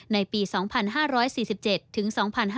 ในปี๒๕๔๗ถึง๒๕๕๙